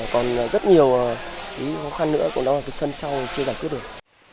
còn rất nhiều khó khăn nữa của nó là cái sân sau chưa giải quyết được